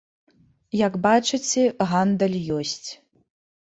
Як бачыце, гандаль ёсць.